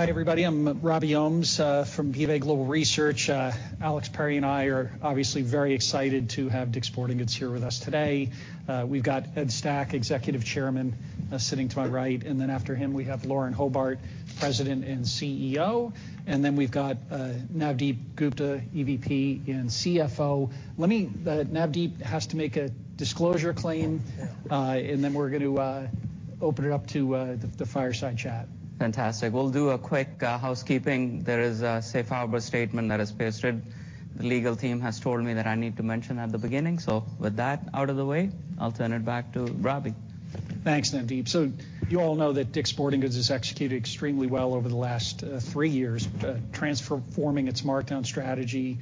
Hi, everybody. I'm Robby Ohmes, from BofA Global Research. Alex Perry and I are obviously very excited to have Sporting Goods here with us today. We've got Ed Stack, Executive Chairman, sitting to my right. After him, we have Lauren Hobart, President and CEO. We've got Navdeep Gupta, EVP and CFO. Navdeep has to make a disclosure claim. Oh, yeah. Then we're gonna open it up to the fireside chat. Fantastic. We'll do a quick housekeeping. There is a safe harbor statement that is pasted. The legal team has told me that I need to mention at the beginning. With that out of the way, I'll turn it back to Robby. Thanks, Navdeep. You all know that Sporting Goods has executed extremely well over the last three years, transforming its markdown strategy,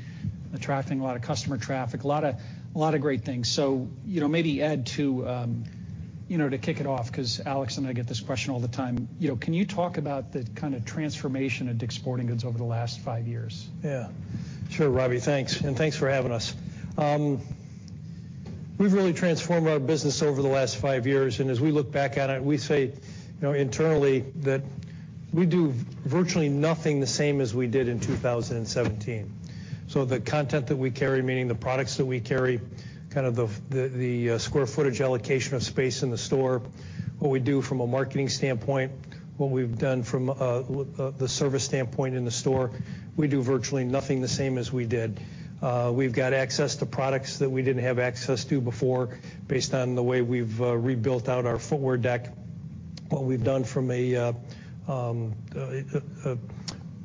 attracting a lot of customer traffic, a lot of great things. You know, maybe Ed to, you know, to kick it off because Alex and I get this question all the time. Can you talk about the kind of transformation at Sporting Goods over the last five years? Yeah. Sure, Robby. Thanks. Thanks for having us. We've really transformed our business over the last five years. As we look back at it, we say, you know, internally, that we do virtually nothing the same as we did in 2017. The content that we carry, meaning the products that we carry, kind of the square footage allocation of space in the store, what we do from a marketing standpoint, what we've done from the service standpoint in the store, we do virtually nothing the same as we did. We've got access to products that we didn't have access to before based on the way we've rebuilt out our footwear deck. What we've done from a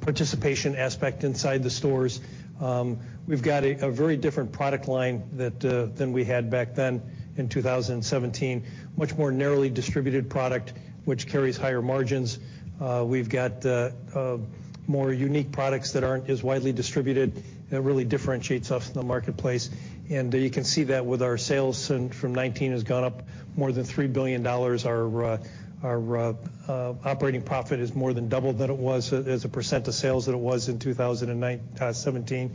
participation aspect inside the stores, we've got a very different product line than we had back then in 2017, much more narrowly distributed product, which carries higher margins. We've got more unique products that aren't as widely distributed that really differentiates us in the marketplace. You can see that with our sales from 2019 has gone up more than $3 billion. Our operating profit has more than doubled than it was as a percent of sales than it was in 2017.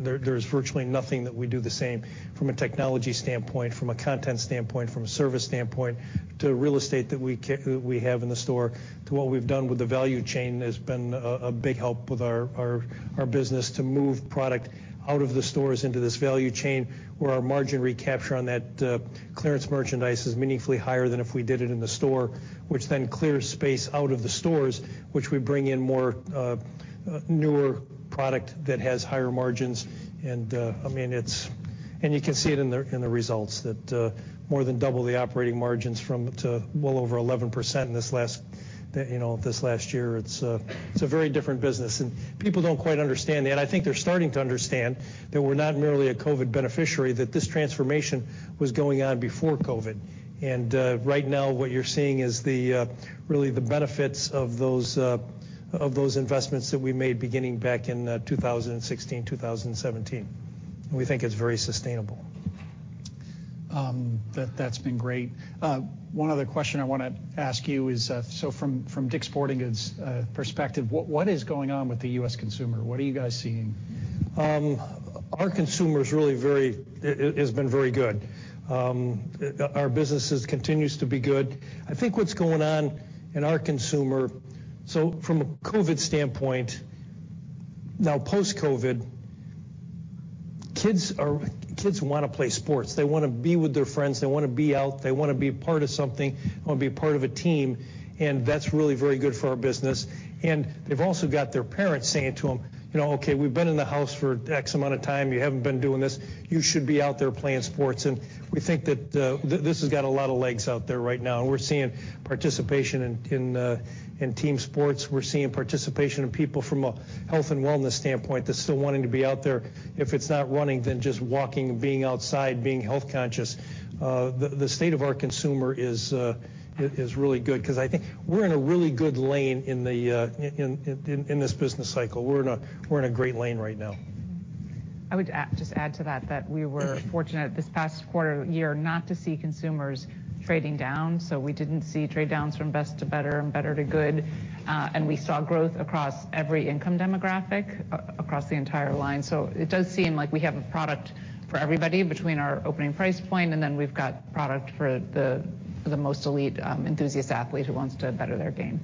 There's virtually nothing that we do the same from a technology standpoint, from a content standpoint, from a service standpoint, to real estate that we have in the store, to what we've done with the value chain has been a big help with our business to move product out of the stores into this value chain, where our margin recapture on that clearance merchandise is meaningfully higher than if we did it in the store, which then clears space out of the stores, which we bring in more newer product that has higher margins. I mean, it's. You can see it in the results that more than double the operating margins from to well over 11% this last, you know, this last year. It's a very different business. People don't quite understand that. I think they're starting to understand that we're not merely a COVID beneficiary, that this transformation was going on before COVID. Right now, what you're seeing is really the benefits of those investments that we made beginning back in 2016, 2017. We think it's very sustainable. That's been great. One other question I wanna ask you is, from Sporting Goods' perspective, what is going on with the US consumer? What are you guys seeing? Our consumer is really has been very good. Our businesses continues to be good. I think what's going on in our consumer... From a COVID standpoint, now post-COVID, kids wanna play sports. They wanna be with their friends. They wanna be out. They wanna be part of something. They wanna be part of a team, and that's really very good for our business. They've also got their parents saying to them, "You know, okay, we've been in the house for X amount of time. You haven't been doing this. You should be out there playing sports." We think that this has got a lot of legs out there right now. We're seeing participation in team sports. We're seeing participation of people from a health and wellness standpoint that's still wanting to be out there. If it's not running, then just walking, being outside, being health-conscious. The state of our consumer is really good because I think we're in a really good lane in this business cycle. We're in a great lane right now. I would just add to that we were fortunate this past quarter year not to see consumers trading down. We didn't see trade downs from best to better and better to good. We saw growth across every income demographic across the entire line. It does seem like we have a product for everybody between our opening price point, and then we've got product for the most elite enthusiast athlete who wants to better their game.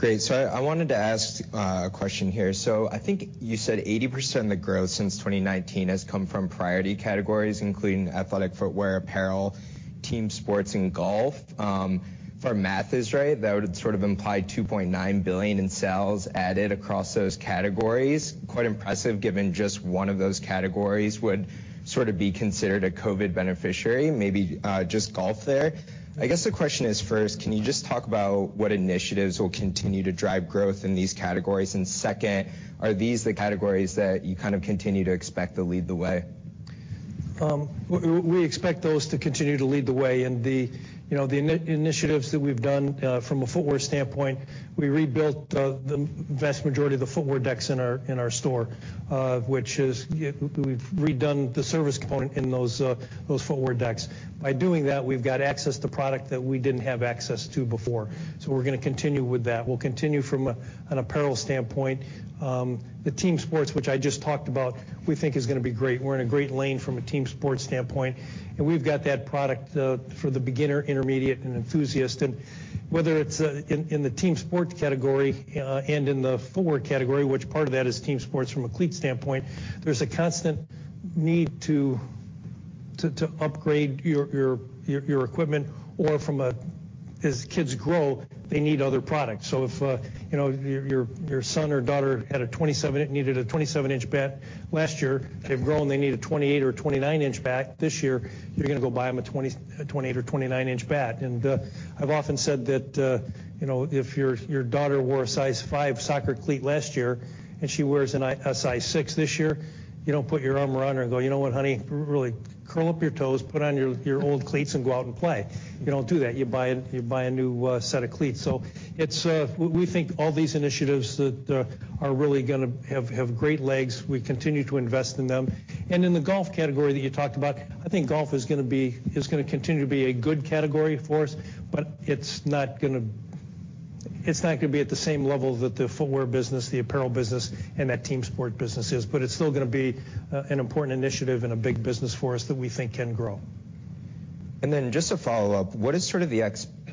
I wanted to ask a question here. I think you said 80% of the growth since 2019 has come from priority categories, including athletic footwear, apparel, team sports, and golf. If our math is right, that would sort of imply $2.9 billion in sales added across those categories. Quite impressive, given just one of those categories would sort of be considered a COVID beneficiary, maybe, just golf there. I guess the question is, first, can you just talk about what initiatives will continue to drive growth in these categories? Second, are these the categories that you kind of continue to expect to lead the way? We expect those to continue to lead the way. The, you know, initiatives that we've done, from a footwear standpoint, we rebuilt the vast majority of the footwear decks in our store, we've redone the service component in those footwear decks. By doing that, we've got access to product that we didn't have access to before. We're gonna continue with that. We'll continue from an apparel standpoint. The team sports, which I just talked about, we think is gonna be great. We're in a great lane from a team sports standpoint, and we've got that product for the beginner, intermediate, and enthusiast. whether it's in the team sports category and in the footwear category, which part of that is team sports from a cleat standpoint, there's a constant need to upgrade your equipment or as kids grow, they need other products. If, you know, your son or daughter needed a 27-inch bat last year, they've grown, they need a 28 or a 29-inch bat this year, you're gonna go buy them a 28 or 29-inch bat. I've often said that, you know, if your daughter wore a size 5 soccer cleat last year and she wears a size 6 this year, you don't put your umber on her and go, "You know what, honey? Really curl up your toes, put on your old cleats and go out and play." You don't do that. You buy a new set of cleats. It's, we think all these initiatives that are really gonna have great legs. We continue to invest in them. In the golf category that you talked about, I think golf is gonna continue to be a good category for us, but it's not gonna, it's not gonna be at the same level that the footwear business, the apparel business, and that team sport business is. It's still gonna be an important initiative and a big business for us that we think can grow. Just to follow up, what is sort of the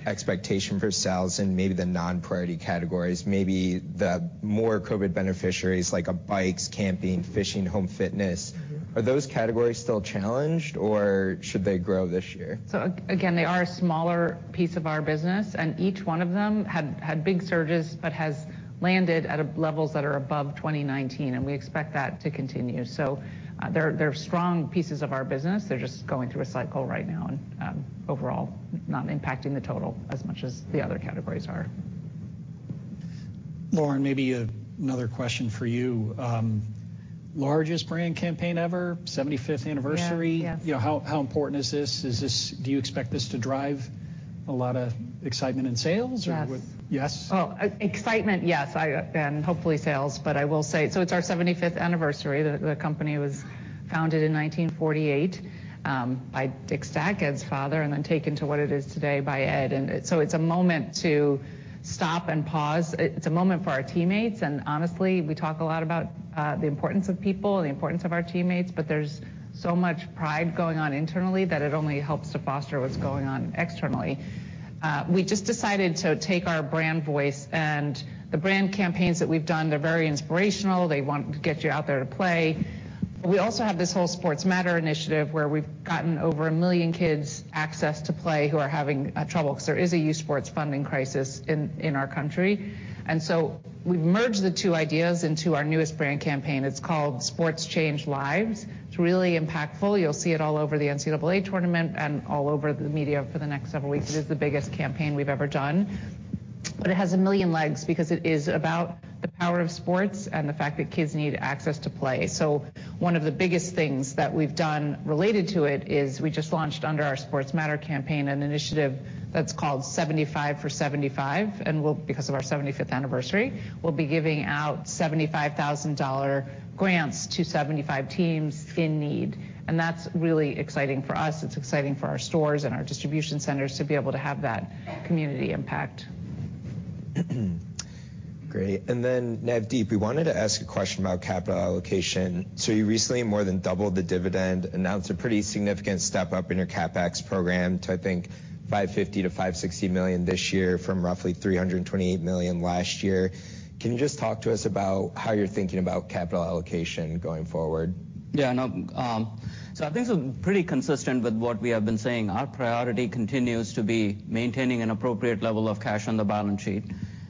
expectation for sales in maybe the non-priority categories, maybe the more COVID beneficiaries like bikes, camping, fishing, home fitness? Are those categories still challenged, or should they grow this year? Again, they are a smaller piece of our business, and each one of them had big surges, but has landed at levels that are above 2019, and we expect that to continue. They're strong pieces of our business. They're just going through a cycle right now and overall not impacting the total as much as the other categories are. Lauren, maybe another question for you. Largest brand campaign ever, 75th anniversary. Yeah. Yeah. You know, how important is this? Do you expect this to drive a lot of excitement in sales? Yes. Yes? Excitement, yes, I, hopefully sales. I will say, it's our 75th anniversary. The company was founded in 1948 by Stack, Ed's father, taken to what it is today by Ed. It's a moment to stop and pause. It's a moment for our teammates, and honestly, we talk a lot about the importance of people and the importance of our teammates, there's so much pride going on internally that it only helps to foster what's going on externally. We just decided to take our brand voice and the brand campaigns that we've done, they're very inspirational. They want to get you out there to play. We also have this whole Sports Matter initiative, where we've gotten over 1 million kids access to play who are having trouble 'cause there is a youth sports funding crisis in our country. We've merged the two ideas into our newest brand campaign. It's called Sports Change Lives. It's really impactful. You'll see it all over the NCAA tournament and all over the media for the next several weeks. It is the biggest campaign we've ever done. It has 1 million legs because it is about the power of sports and the fact that kids need access to play. One of the biggest things that we've done related to it is we just launched under our Sports Matter campaign an initiative that's called 75for75 because of our 75th anniversary. We'll be giving out $75,000 grants to 75 teams in need. That's really exciting for us. It's exciting for our stores and our distribution centers to be able to have that community impact. Great. Navdeep, we wanted to ask a question about capital allocation. You recently more than doubled the dividend, announced a pretty significant step up in your CapEx program to, I think, $550 million-$560 million this year from roughly $328 million last year. Can you just talk to us about how you're thinking about capital allocation going forward? Yeah. No, I think it's pretty consistent with what we have been saying. Our priority continues to be maintaining an appropriate level of cash on the balance sheet.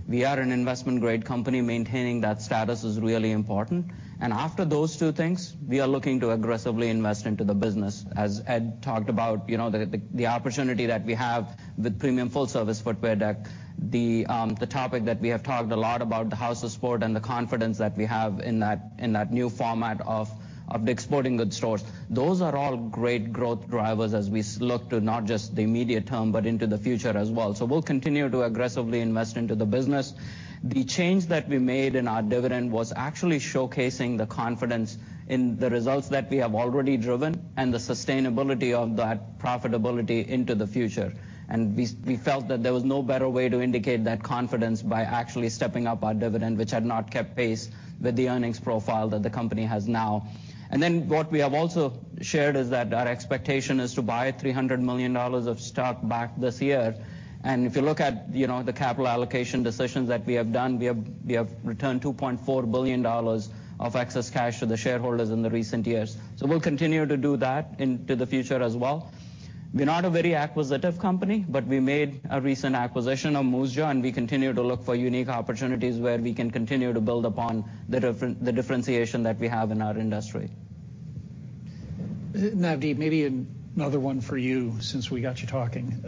We are an investment-grade company. Maintaining that status is really important. After those two things, we are looking to aggressively invest into the business. As Ed talked about, you know, the opportunity that we have with premium full-service footwear deck, the topic that we have talked a lot about, the House of Sport and the confidence that we have in that new format of the Sporting Goods stores. Those are all great growth drivers as we look to not just the immediate term, but into the future as well. We'll continue to aggressively invest into the business. The change that we made in our dividend was actually showcasing the confidence in the results that we have already driven and the sustainability of that profitability into the future. We felt that there was no better way to indicate that confidence by actually stepping up our dividend, which had not kept pace with the earnings profile that the company has now. What we have also shared is that our expectation is to buy $300 million of stock back this year. If you look at, you know, the capital allocation decisions that we have done, we have returned $2.4 billion of excess cash to the shareholders in the recent years. We'll continue to do that into the future as well. We're not a very acquisitive company, but we made a recent acquisition of Moosejaw, and we continue to look for unique opportunities where we can continue to build upon the differentiation that we have in our industry. Navdeep, maybe another one for you since we got you talking.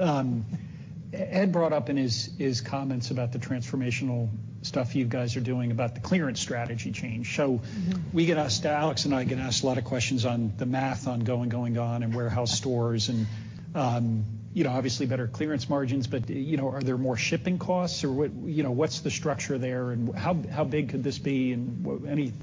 Ed brought up in his comments about the transformational stuff you guys are doing about the clearance strategy change. Mm-hmm. We get asked, Alex and I get asked a lot of questions on the math on Going, GONE! and warehouse stores and, you know, obviously better clearance margins. You know, are there more shipping costs or you know, what's the structure there, and how big could this be?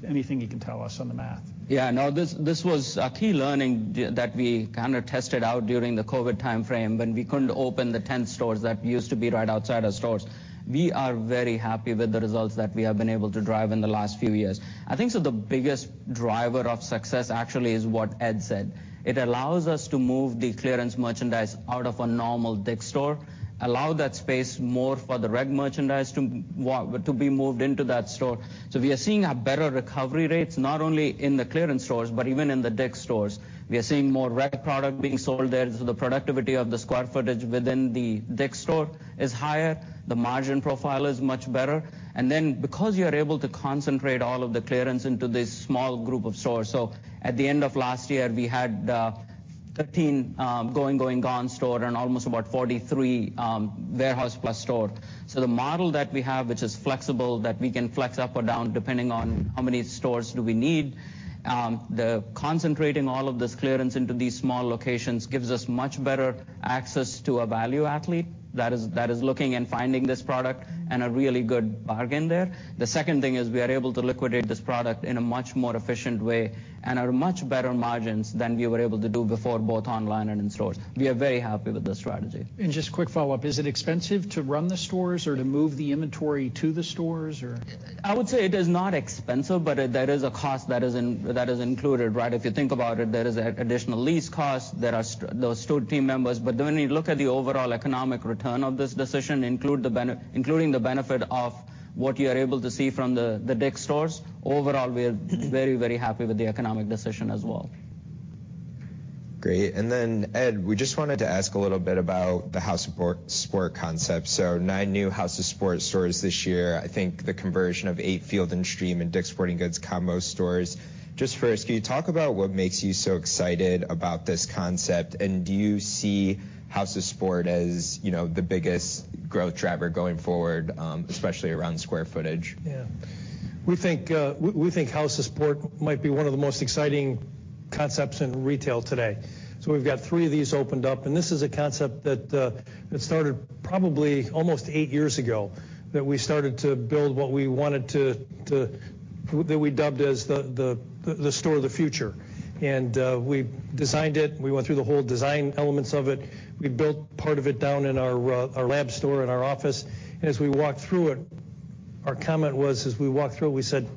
Anything you can tell us on the math. Yeah. No. This was a key learning that we kinda tested out during the COVID timeframe when we couldn't open the tent stores that used to be right outside our stores. We are very happy with the results that we have been able to drive in the last few years. I think so the biggest driver of success actually is what Ed said. It allows us to move the clearance merchandise out of a normal store, allow that space more for the reg merchandise to be moved into that store. We are seeing a better recovery rates, not only in the clearance stores, but even in the stores. We are seeing more reg product being sold there, so the productivity of the square footage within the store is higher. The margin profile is much better. Because you are able to concentrate all of the clearance into this small group of stores, so at the end of last year, we had. 13 Going, GONE! store and almost about 43 warehouse plus store. The model that we have, which is flexible, that we can flex up or down depending on how many stores do we need. Concentrating all of this clearance into these small locations gives us much better access to a value athlete that is looking and finding this product and a really good bargain there. The second thing is we are able to liquidate this product in a much more efficient way and at a much better margins than we were able to do before, both online and in stores. We are very happy with this strategy. Just quick follow-up. Is it expensive to run the stores or to move the inventory to the stores, or? I would say it is not expensive, but there is a cost that is included, right? If you think about it, there is an additional lease cost. There are those store team members. When you look at the overall economic return of this decision, including the benefit of what you're able to see from the stores, overall, we are very, very happy with the economic decision as well. Great. Ed, we just wanted to ask a little bit about the House of Sport concept. Nine new House of Sports stores this year. I think the conversion of eight Field & Stream and Sporting Goods combo stores. Just first, can you talk about what makes you so excited about this concept, and do you see House of Sport as, you know, the biggest growth driver going forward, especially around square footage? Yeah. We think House of Sport might be one of the most exciting concepts in retail today. We've got three of these opened up. This is a concept that started probably almost eight years ago, that we started to build what we wanted to that we dubbed as the store of the future. We designed it. We went through the whole design elements of it. We built part of it down in our lab store in our office. As we walked through it, our comment was, as we walked through it, we said,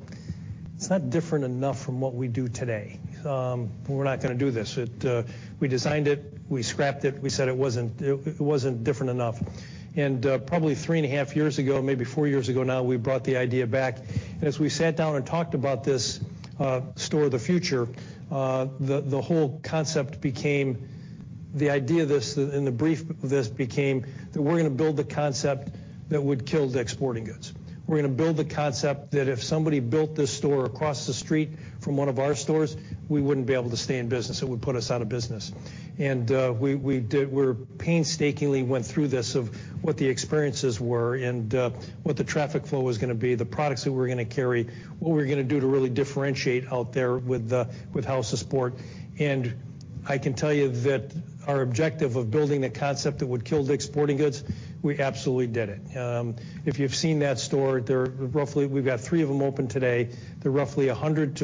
"It's not different enough from what we do today. We're not gonna do this." We designed it. We scrapped it. We said it wasn't different enough. Probably 3.5 years ago, maybe four years ago now, we brought the idea back. As we sat down and talked about this store of the future, the whole concept became the idea this became that we're gonna build the concept that would kill Sporting Goods. We're gonna build the concept that if somebody built this store across the street from one of our stores, we wouldn't be able to stay in business. It would put us out of business. We painstakingly went through this, of what the experiences were and what the traffic flow was gonna be, the products that we're gonna carry, what we're gonna do to really differentiate out there with House of Sport. I can tell you that our objective of building a concept that would kill Sporting Goods, we absolutely did it. If you've seen that store, there are roughly We've got three of them open today. They're roughly 100,000-120,000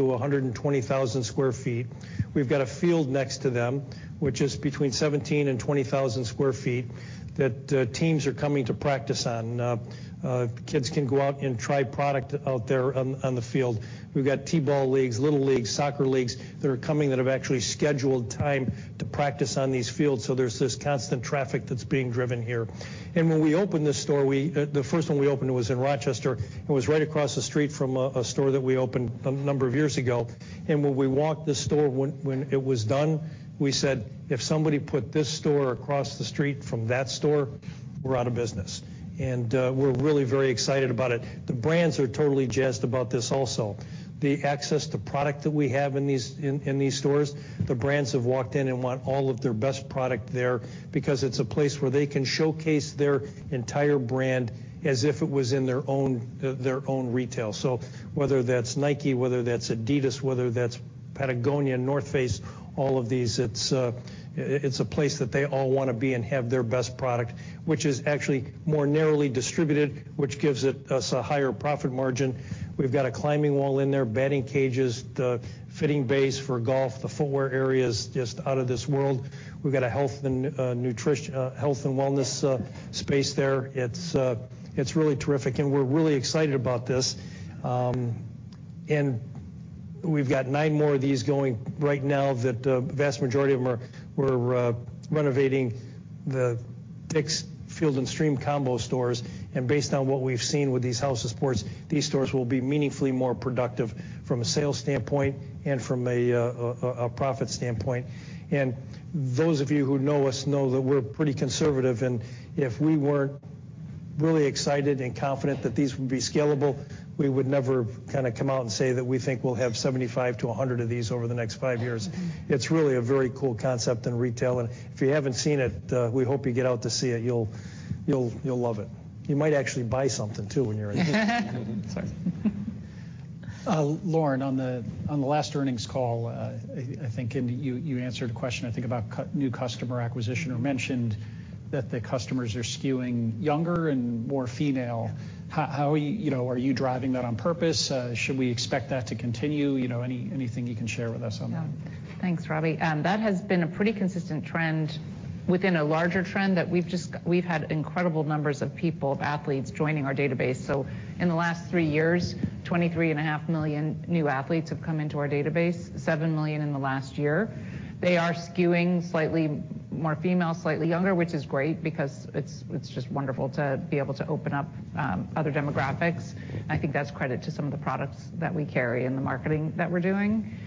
sq ft. We've got a field next to them, which is between 17,000-20,000 sq ft, that teams are coming to practice on. Kids can go out and try product out there on the field. We've got T-ball leagues, little leagues, soccer leagues that are coming that have actually scheduled time to practice on these fields, so there's this constant traffic that's being driven here. When we opened this store, we the first one we opened was in Rochester. It was right across the street from a store that we opened a number of years ago. When we walked the store when it was done, we said, "If somebody put this store across the street from that store, we're out of business." We're really very excited about it. The brands are totally jazzed about this also. The access to product that we have in these stores, the brands have walked in and want all of their best product there because it's a place where they can showcase their entire brand as if it was in their own retail. Whether that's Nike, whether that's Adidas, whether that's Patagonia, North Face, all of these, it's a place that they all wanna be and have their best product, which is actually more narrowly distributed, which gives us a higher profit margin. We've got a climbing wall in there, batting cages, the fitting bays for golf. The footwear area is just out of this world. We've got a health and wellness space there. It's really terrific, and we're really excited about this. We've got nine more of these going right now that vast majority of them we're renovating the Field & Stream combo stores. Based on what we've seen with these House of Sport, these stores will be meaningfully more productive from a sales standpoint and from a profit standpoint. Those of you who know us know that we're pretty conservative, and if we weren't really excited and confident that these would be scalable, we would never kind of come out and say that we think we'll have 75 to 100 of these over the next five years. It's really a very cool concept in retail, and if you haven't seen it, we hope you get out to see it. You'll love it. You might actually buy something too when you're in there. Sorry. Lauren, on the, on the last earnings call, I think and you answered a question, I think, about new customer acquisition or mentioned that the customers are skewing younger and more female. How are you know, are you driving that on purpose? Should we expect that to continue? You know, anything you can share with us on that. Yeah. Thanks, Robby. That has been a pretty consistent trend within a larger trend that we've had incredible numbers of people, of athletes joining our database. In the last three years, 23.5 million new athletes have come into our database, seven million in the last year. They are skewing slightly more female, slightly younger, which is great because it's just wonderful to be able to open up other demographics. I think that's credit to some of the products that we carry and the marketing that we're doing.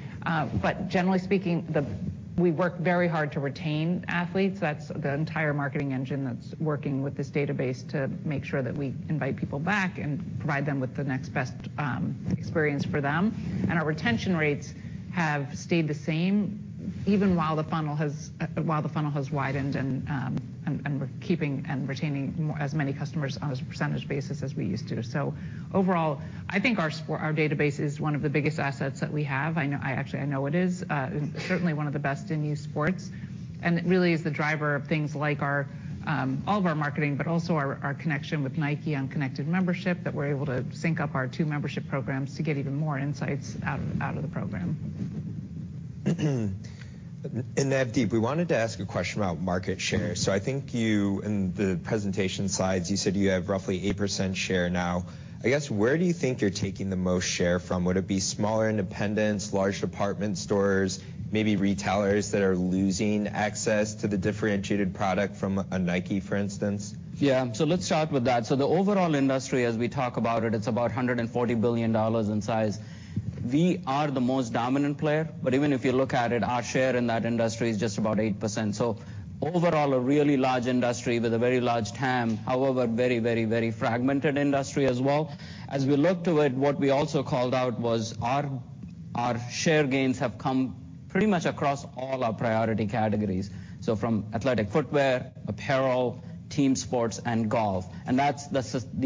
Generally speaking, we work very hard to retain athletes. That's the entire marketing engine that's working with this database to make sure that we invite people back and provide them with the next best experience for them. Our retention rates have stayed the same, even while the funnel has, while the funnel has widened and we're keeping and retaining as many customers on as a percentage basis as we used to. Overall, I think our database is one of the biggest assets that we have. I actually, I know it is certainly one of the best in esports. It really is the driver of things like our all of our marketing, but also our connection with Nike on connected membership, that we're able to sync up our two membership programs to get even more insights out of the program. Navdeep, we wanted to ask a question about market share. I think you, in the presentation slides, you said you have roughly 8% share now. I guess, where do you think you're taking the most share from? Would it be smaller independents, large department stores, maybe retailers that are losing access to the differentiated product from a Nike, for instance? Let's start with that. The overall industry, as we talk about it's about $140 billion in size. We are the most dominant player, but even if you look at it, our share in that industry is just about 8%. Overall, a really large industry with a very large TAM, however, very fragmented industry as well. As we look to it, what we also called out was our share gains have come pretty much across all our priority categories, so from athletic footwear, apparel, team sports, and golf. That's the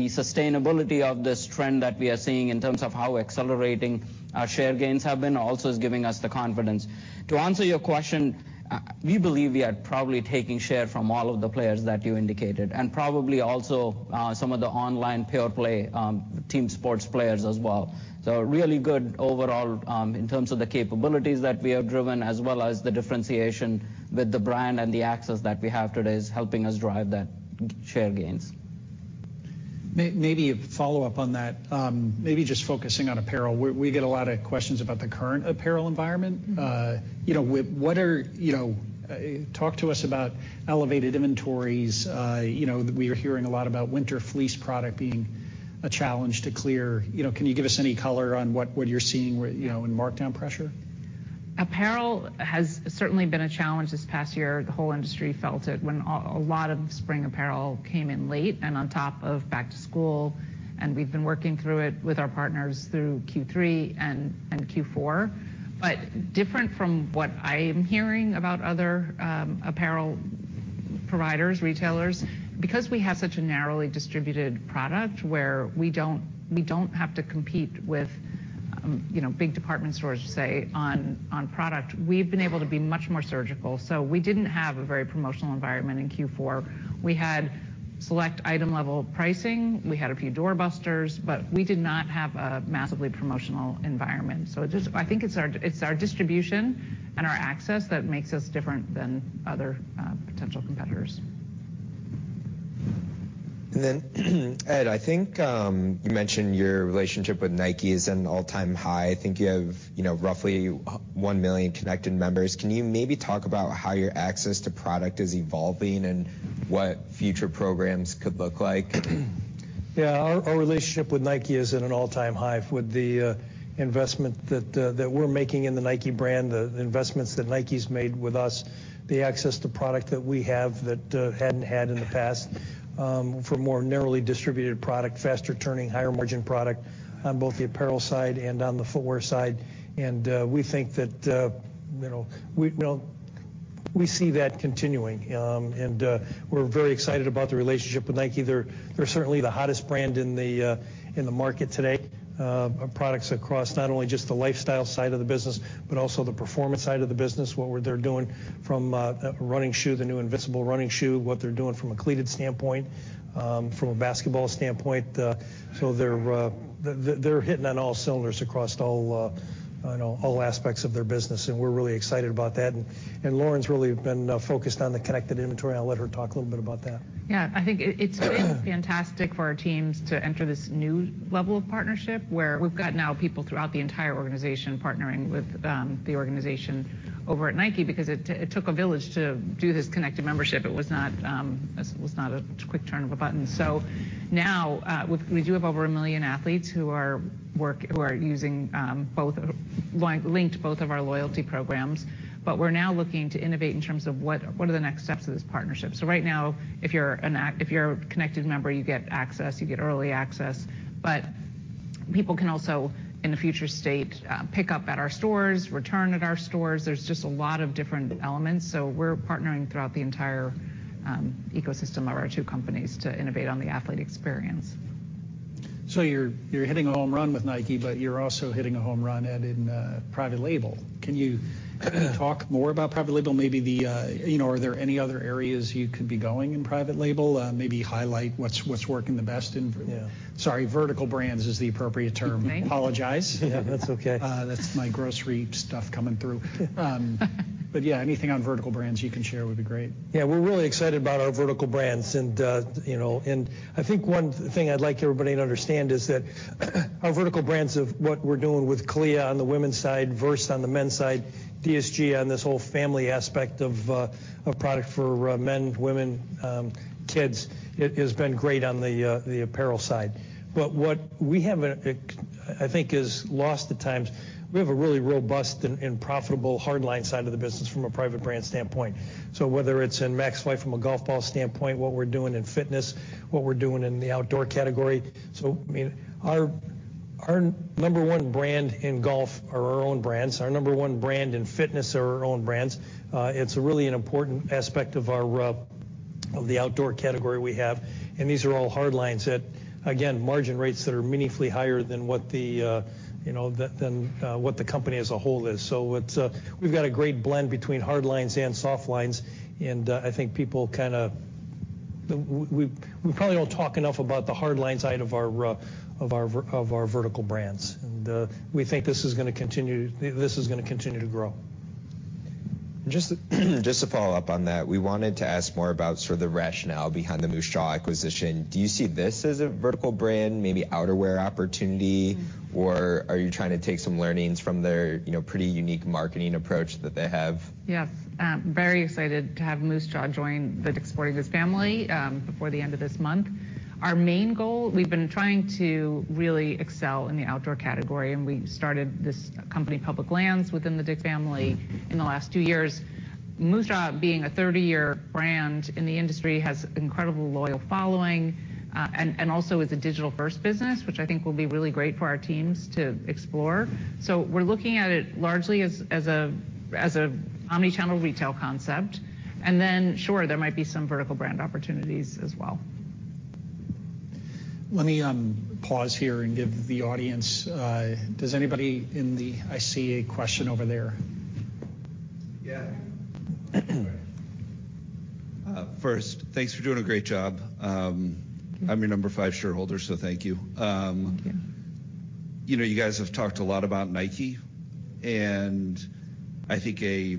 sustainability of this trend that we are seeing in terms of how accelerating our share gains have been also is giving us the confidence. To answer your question, we believe we are probably taking share from all of the players that you indicated and probably also, some of the online pure-play, team sports players as well. Really good overall, in terms of the capabilities that we have driven, as well as the differentiation with the brand and the access that we have today is helping us drive that share gains. Maybe a follow-up on that, maybe just focusing on apparel. We get a lot of questions about the current apparel environment. You know, talk to us about elevated inventories. You know, we are hearing a lot about winter fleece product being a challenge to clear. You know, can you give us any color on what you're seeing, you know, in markdown pressure? Apparel has certainly been a challenge this past year. The whole industry felt it when a lot of spring apparel came in late and on top of back to school, and we've been working through it with our partners through Q3 and Q4. Different from what I am hearing about other apparel providers, retailers, because we have such a narrowly distributed product where we don't, we don't have to compete with, you know, big department stores, say, on product, we've been able to be much more surgical. We didn't have a very promotional environment in Q4. We had select item-level pricing. We had a few doorbusters, but we did not have a massively promotional environment. I think it's our distribution and our access that makes us different than other potential competitors. Ed, I think, you mentioned your relationship with Nike is in an all-time high. I think you have, roughly 1 million connected members. Can you maybe talk about how your access to product is evolving and what future programs could look like? Yeah. Our relationship with Nike is at an all-time high with the investment that we're making in the Nike brand, the investments that Nike's made with us, the access to product that we have that hadn't had in the past, for more narrowly distributed product, faster turning, higher margin product on both the apparel side and on the footwear side. We think that, you know, we, you know, we see that continuing. We're very excited about the relationship with Nike. They're certainly the hottest brand in the market today. Products across not only just the lifestyle side of the business, but also the performance side of the business, what they're doing from a running shoe, the new Invincible running shoe, what they're doing from a cleated standpoint, from a basketball standpoint. They're hitting on all cylinders across all, you know, all aspects of their business, and we're really excited about that. Lauren's really been focused on the connected inventory, and I'll let her talk a little bit about that. Yeah. I think it's been fantastic for our teams to enter this new level of partnership, where we've got now people throughout the entire organization partnering with the organization over at Nike because it took a village to do this connected membership. It was not, this was not a quick turn of a button. Now, we do have over 1 million athletes who are using linked both of our loyalty programs. We're now looking to innovate in terms of what are the next steps of this partnership. Right now, if you're a connected member, you get access, you get early access. People can also, in a future state, pick up at our stores, return at our stores. There's just a lot of different elements. We're partnering throughout the entire ecosystem of our two companies to innovate on the athlete experience. You're hitting a home run with Nike, but you're also hitting a home run, Ed, in private label. Can you talk more about private label? You know, are there any other areas you could be going in private label? Maybe highlight what's working the best in. Yeah. Sorry, vertical brands is the appropriate term. Okay. Apologize. Yeah. That's okay. That's my grocery stuff coming through. Yeah, anything on vertical brands you can share would be great. Yeah. We're really excited about our vertical brands. You know, I think one thing I'd like everybody to understand is that our vertical brands of what we're doing with CALIA on the women's side, VRST on the men's side, DSG on this whole family aspect of product for men, women, kids, it has been great on the apparel side. What we have, I think is lost at times, we have a really robust and profitable hard line side of the business from a private brand standpoint. Whether it's in Maxfli from a golf ball standpoint, what we're doing in fitness, what we're doing in the outdoor category. I mean, our number one brand in golf are our own brands. Our number one brand in fitness are our own brands. It's really an important aspect of our of the outdoor category we have, and these are all hard lines at, again, margin rates that are meaningfully higher than what the, you know, than what the company as a whole is. It's, we've got a great blend between hard lines and soft lines, and I think people kinda We probably don't talk enough about the hard line side of our of our vertical brands. We think this is gonna continue this is gonna continue to grow. Just to follow up on that, we wanted to ask more about sort of the rationale behind the Moosejaw acquisition. Do you see this as a vertical brand, maybe outerwear opportunity? Are you trying to take some learnings from their, you know, pretty unique marketing approach that they have? Yes. Very excited to have Moosejaw join the Sporting Goods family before the end of this month. Our main goal, we've been trying to really excel in the outdoor category, we started this company, Public Lands, within the family in the last two years. Moosejaw being a 30-year brand in the industry, has incredible loyal following, and also is a digital-first business, which I think will be really great for our teams to explore. We're looking at it largely as an omnichannel retail concept, and then sure, there might be some vertical brand opportunities as well. Let me pause here and give the audience. Does anybody? I see a question over there. First, thanks for doing a great job. I'm your number 5 shareholder, thank you. Thank you. You know, you guys have talked a lot about Nike. I think a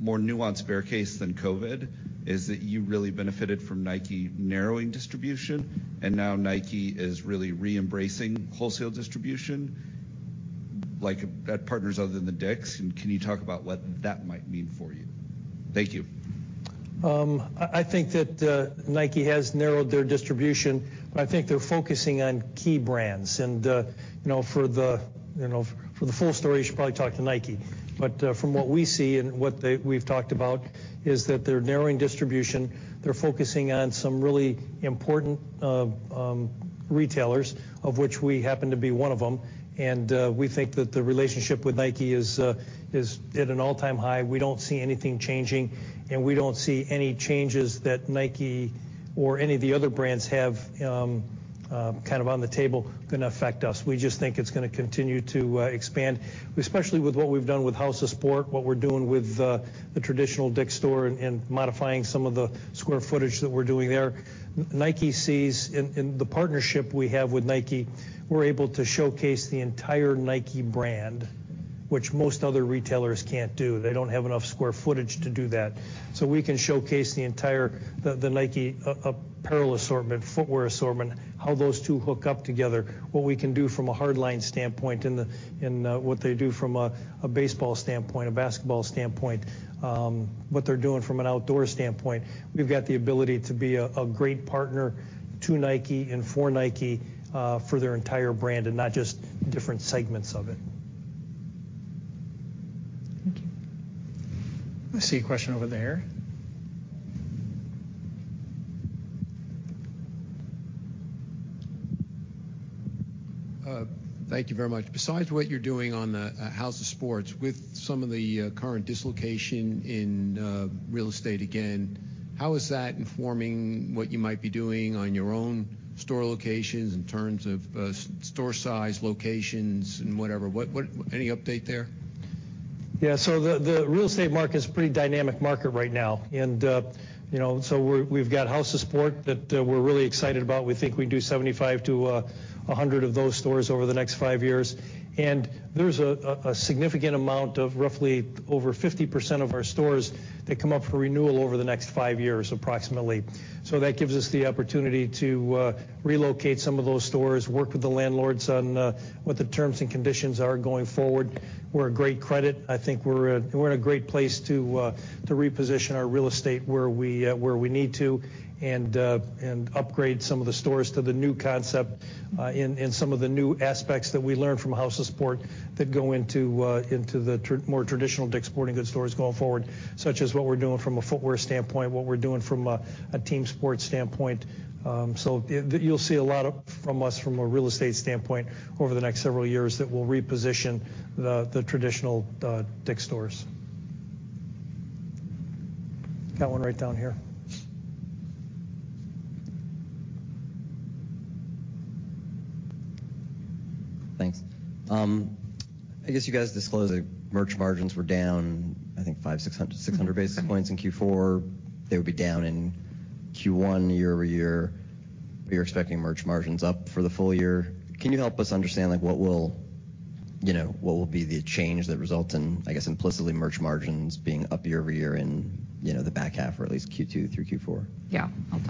more nuanced bear case than COVID is that you really benefited from Nike narrowing distribution. Now Nike is really re-embracing wholesale distribution, like, at partners other than the. Can you talk about what that might mean for you? Thank you. I think that Nike has narrowed their distribution, but I think they're focusing on key brands. You know, for the, you know, for the full story, you should probably talk to Nike. From what we see and what we've talked about is that they're narrowing distribution. They're focusing on some really important retailers, of which we happen to be one of them. We think that the relationship with Nike is at an all-time high. We don't see anything changing. We don't see any changes that Nike or any of the other brands have kind of on the table gonna affect us. We just think it's gonna continue to expand, especially with what we've done with House of Sport, what we're doing with the traditional store and modifying some of the square footage that we're doing there. In the partnership we have with Nike, we're able to showcase the entire Nike brand, which most other retailers can't do. They don't have enough square footage to do that. We can showcase the entire Nike apparel assortment, footwear assortment, how those two hook up together, what we can do from a hard line standpoint in what they do from a baseball standpoint, a basketball standpoint, what they're doing from an outdoor standpoint. We've got the ability to be a great partner to Nike and for Nike for their entire brand and not just different segments of it. Thank you. I see a question over there. Thank you very much. Besides what you're doing on the House of Sport, with some of the current dislocation in real estate again, how is that informing what you might be doing on your own store locations in terms of, store size, locations and whatever? What... Any update there? Yeah. The real estate market is a pretty dynamic market right now and, you know, we're, we've got House of Sport that we're really excited about. We think we do 75-100 of those stores over the next five years. There's a significant amount of roughly over 50% of our stores that come up for renewal over the next five years, approximately. That gives us the opportunity to relocate some of those stores, work with the landlords on what the terms and conditions are going forward. We're a great credit. I think we're in a great place to reposition our real estate where we need to and upgrade some of the stores to the new concept, in some of the new aspects that we learned from House of Sport that go into the more traditional Sporting Goods stores going forward, such as what we're doing from a footwear standpoint, what we're doing from a team sports standpoint. You'll see a lot of from us from a real estate standpoint over the next several years that will reposition the traditional stores. Got one right down here. Thanks. I guess you guys disclosed that merch margins were down, I think 600 basis points in Q4. They would be down in Q1 year-over-year. You're expecting merch margins up for the full year. Can you help us understand like what will, you know, what will be the change that results in, I guess, implicitly, merch margins being up year-over-year in, you know, the back half or at least Q2 through Q4?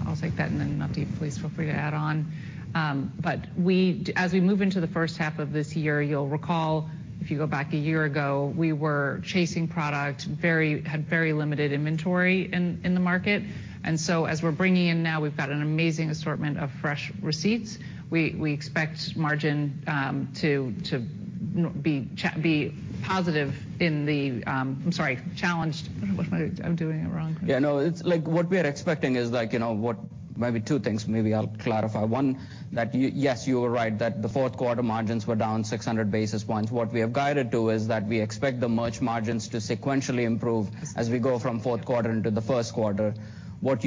I'll take that. Navdeep, please feel free to add on. As we move into the first half of this year, you'll recall, if you go back a year ago, we were chasing product, had very limited inventory in the market. As we're bringing in now, we've got an amazing assortment of fresh receipts. We expect margin to, you know, be positive in the... I'm sorry, challenged. I'm doing it wrong. Yeah. No. It's like what we are expecting is like, you know, maybe two things, maybe I'll clarify. One, that yes, you are right that the fourth quarter margins were down 600 basis points. What we have guided to is that we expect the merch margins to sequentially improve as we go from fourth quarter into the first quarter. What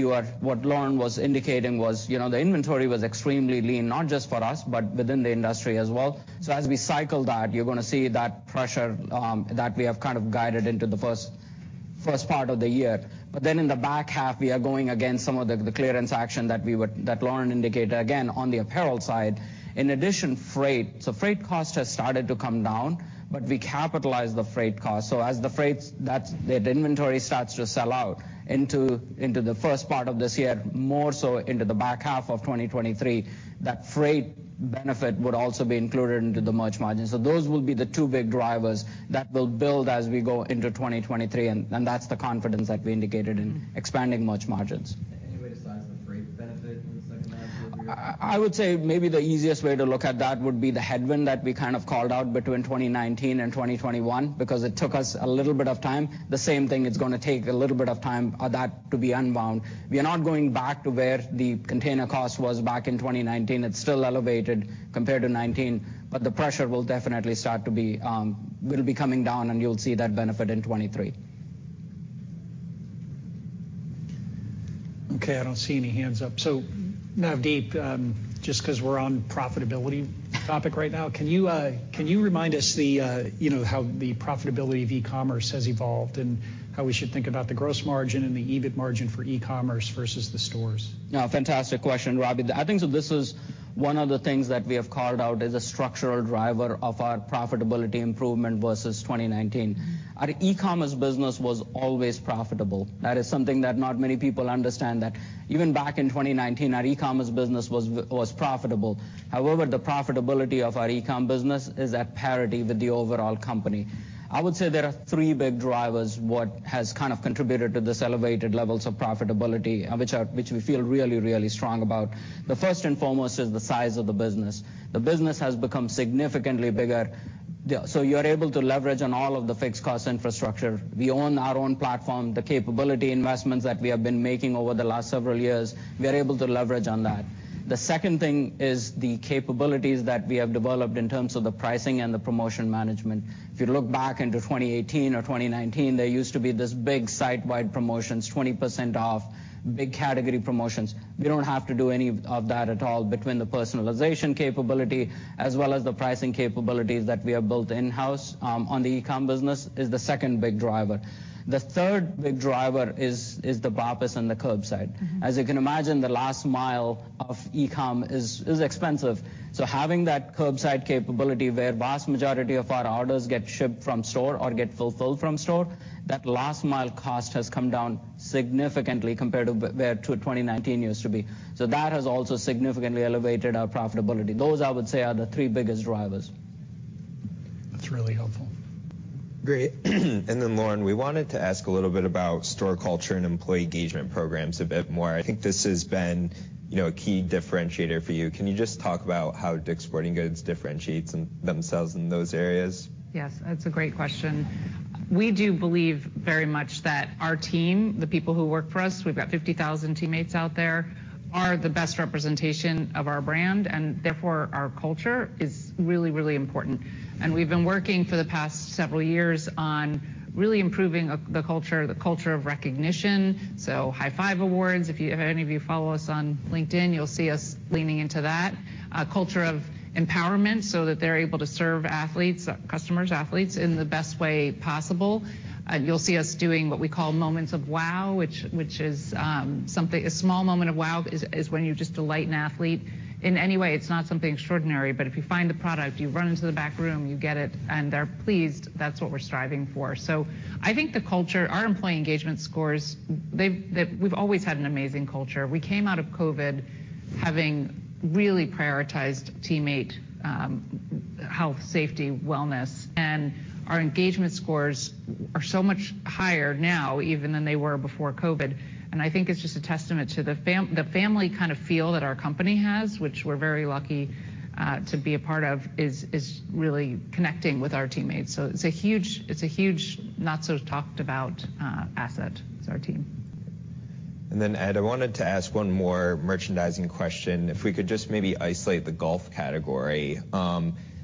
Lauren was indicating was, you know, the inventory was extremely lean, not just for us, but within the industry as well. As we cycle that, you're gonna see that pressure that we have kind of guided into the first-. First part of the year. In the back half, we are going against some of the clearance action that Lauren indicated, again, on the apparel side. In addition, freight. Freight cost has started to come down, but we capitalize the freight cost. As the freights, the inventory starts to sell out into the first part of this year, more so into the back half of 2023, that freight benefit would also be included into the merch margin. Those will be the two big drivers that will build as we go into 2023, and that's the confidence that we indicated in expanding merch margins. I would say maybe the easiest way to look at that would be the headwind that we kind of called out between 2019 and 2021 because it took us a little bit of time. The same thing, it's gonna take a little bit of time that to be unbound. We are not going back to where the container cost was back in 2019. It's still elevated compared to 2019, but the pressure will definitely start to be coming down, and you'll see that benefit in 2023. Okay, I don't see any hands up. Navdeep, just 'cause we're on profitability topic right now, can you remind us the, you know, how the profitability of e-commerce has evolved and how we should think about the gross margin and the EBIT margin for e-commerce versus the stores? Yeah, fantastic question, Robby. I think this is one of the things that we have called out as a structural driver of our profitability improvement versus 2019. Our e-commerce business was always profitable. That is something that not many people understand that even back in 2019, our e-commerce business was profitable. However, the profitability of our e-com business is at parity with the overall company. I would say there are three big drivers what has kind of contributed to this elevated levels of profitability, which we feel really, really strong about. The first and foremost is the size of the business. The business has become significantly bigger. You're able to leverage on all of the fixed cost infrastructure. We own our own platform. The capability investments that we have been making over the last several years, we are able to leverage on that. The second thing is the capabilities that we have developed in terms of the pricing and the promotion management. You look back into 2018 or 2019, there used to be this big site-wide promotions, 20% off, big category promotions. We don't have to do any of that at all between the personalization capability as well as the pricing capabilities that we have built in-house, on the e-com business is the second big driver. The third big driver is the BOPUS and the curbside. As you can imagine, the last mile of e-com is expensive. Having that curbside capability where vast majority of our orders get shipped from store or get fulfilled from store, that last mile cost has come down significantly compared to where 2019 used to be. That has also significantly elevated our profitability. Those, I would say, are the three biggest drivers. That's really helpful. Great. Lauren, we wanted to ask a little bit about store culture and employee engagement programs a bit more. I think this has been, you know, a key differentiator for you. Can you just talk about how Sporting Goods differentiates themselves in those areas? Yes, that's a great question. We do believe very much that our team, the people who work for us, we've got 50,000 teammates out there, are the best representation of our brand, and therefore, our culture is really, really important. We've been working for the past several years on really improving the culture, the culture of recognition. High-five awards. If any of you follow us on LinkedIn, you'll see us leaning into that. Culture of empowerment so that they're able to serve athletes, customers, athletes in the best way possible. You'll see us doing what we call moments of wow, which is something. A small moments of wow is when you just delight an athlete in any way. It's not something extraordinary. If you find the product, you run into the back room, you get it, and they're pleased, that's what we're striving for. I think the culture, our employee engagement scores, we've always had an amazing culture. We came out of COVID having really prioritized teammate, health, safety, wellness, and our engagement scores are so much higher now even than they were before COVID. I think it's just a testament to the family kind of feel that our company has, which we're very lucky, to be a part of, is really connecting with our teammates. It's a huge, it's a huge not so talked about, asset is our team. Ed, I wanted to ask one more merchandising question. If we could just maybe isolate the golf category.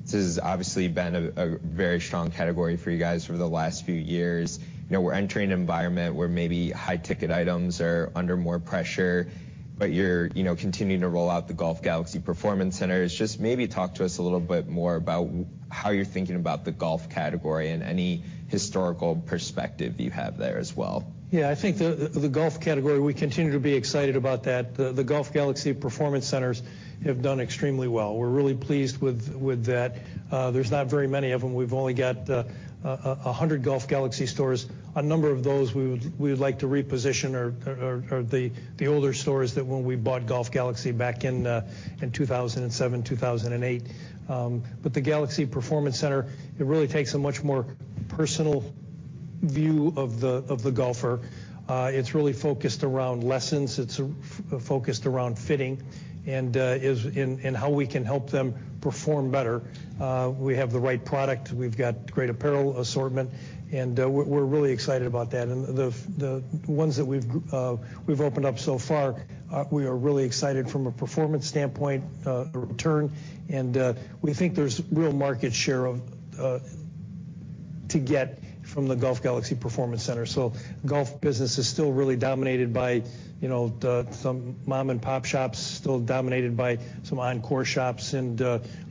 This has obviously been a very strong category for you guys for the last few years. You know, we're entering an environment where maybe high-ticket items are under more pressure, but you're, you know, continuing to roll out the Golf Galaxy Performance Center. Just maybe talk to us a little bit more about how you're thinking about the golf category and any historical perspective you have there as well. I think the golf category, we continue to be excited about that. The Golf Galaxy Performance Centers have done extremely well. We're really pleased with that. There's not very many of them. We've only got 100 Golf Galaxy stores. A number of those we would like to reposition or the older stores that when we bought Golf Galaxy back in 2007, 2008. The Galaxy Performance Center, it really takes a much more personal view of the golfer. It's really focused around lessons. It's focused around fitting and how we can help them perform better. We have the right product. We've got great apparel assortment, and we're really excited about that. The ones that we've opened up so far, we are really excited from a performance standpoint, return, and we think there's real market share to get from the Golf Galaxy Performance Center. Golf business is still really dominated by, you know, some mom-and-pop shops, still dominated by some on-course shops and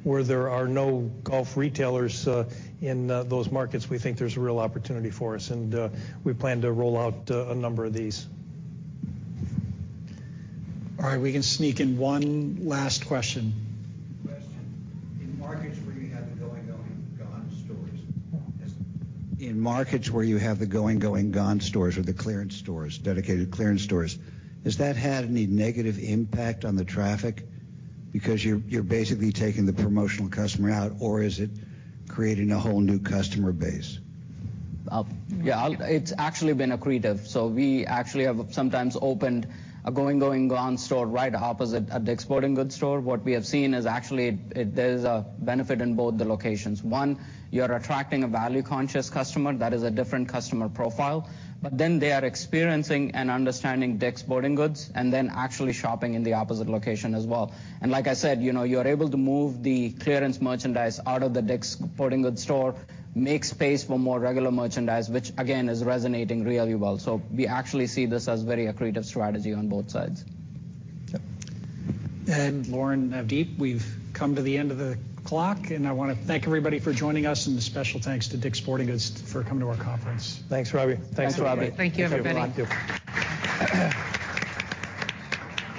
where there are no golf retailers in those markets. We think there's a real opportunity for us, and we plan to roll out a number of these. All right, we can sneak in one last question. Question. In markets where you have the Going, GONE! stores or the clearance stores, dedicated clearance stores, has that had any negative impact on the traffic because you're basically taking the promotional customer out, or is it creating a whole new customer base? Yeah. It's actually been accretive. We actually have sometimes opened a Going, GONE! store right opposite a Sporting Goods store. What we have seen is actually there's a benefit in both the locations. One, you're attracting a value-conscious customer that is a different customer profile, but then they are experiencing and understanding Sporting Goods and then actually shopping in the opposite location as well. Like I said, you know, you're able to move the clearance merchandise out of the Sporting Goods store, make space for more regular merchandise, which again, is resonating really well. We actually see this as very accretive strategy on both sides. Yep. Lauren, Navdeep, we've come to the end of the clock, and I wanna thank everybody for joining us, and a special thanks to Sporting Goods for coming to our conference. Thanks, Robby. Thanks, Robby. Thank you, everybody. Thank you.